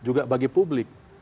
juga bagi publik